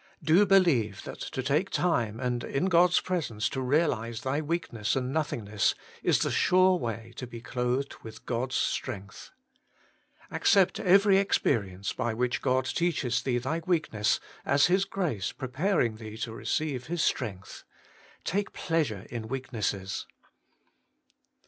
Do believe that to take time and in God's presence to realise thy weakness and noth ingness is the sure way to be clothed with God's strength. Accept every experience by which God teaches thee thy weakness as His grace preparing thee to receive His strength. Take pleasure in weaknesses!